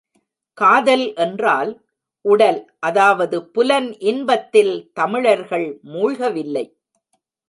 காதல் என்றால், உடல் அதாவது புலன் இன்பத்தில் தமிழர்கள் மூழ்கவில்லை.